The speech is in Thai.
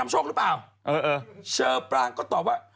เชอว์ปรานก็ตอบว่า